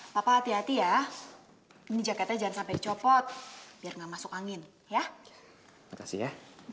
papa hati hati ya ini jaketnya jangan sampai copot biar enggak masuk angin ya kasih ya